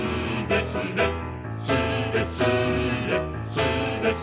「スレスレスレスレ」